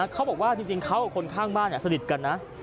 เขาบอกว่าทีชเขามีคนข้างบ้านสนิทกันน่ะ